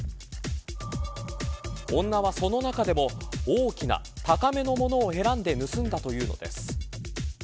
女はその中でも大きな高めのものを選んで盗んだというのです。